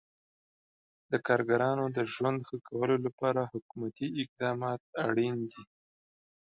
د کارګرانو د ژوند ښه کولو لپاره حکومتي اقدامات اړین دي.